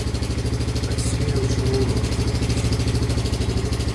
Расія ўсё роўна будзе жыць.